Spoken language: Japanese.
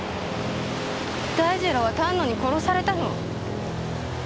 大二郎は丹野に殺されたの。